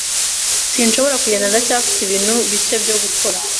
Sinshobora kugenda. Ndacyafite ibintu bike byo gukora.